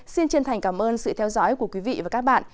xin chân thành cảm ơn sự theo dõi của quý vị và các bạn